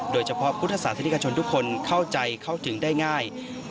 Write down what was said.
เฉพาะพุทธศาสนิกชนทุกคนเข้าใจเข้าถึงได้ง่าย